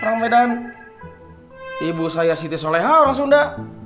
rame dan ibu saya siti soleha orang sunda